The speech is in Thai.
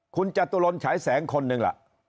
คุณจตุรนฉายแสงคนหนึ่งล่ะ